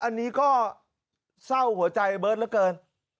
อันนี้ก็เศร้าหัวใจเบิร์ตเหลือเกิน